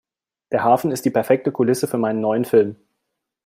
Der Hafen ist die perfekte Kulisse für meinen neuen Film.